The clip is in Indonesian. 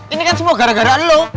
ini kan semua gara gara low